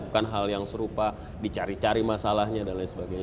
bukan hal yang serupa dicari cari masalahnya dan lain sebagainya